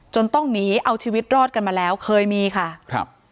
ต้องหนีเอาชีวิตรอดกันมาแล้วเคยมีค่ะครับ